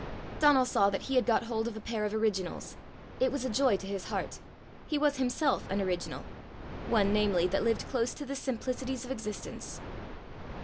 Donal saw that he had got hold of a pair of originals: it was a joy to his heart: he was himself an original one, namely, that lived close to the simplicities of existence!